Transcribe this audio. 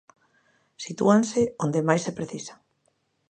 Sitúanse onde máis se precisan.